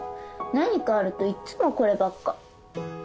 何かあるといっつもこればっか。